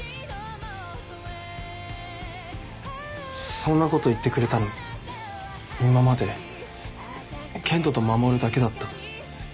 そんなこと言ってくれたの今まで健人と守だけだった。